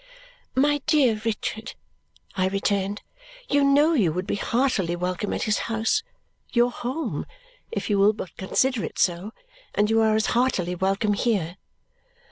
"My dear Richard," I returned, "you know you would be heartily welcome at his house your home, if you will but consider it so; and you are as heartily welcome here!"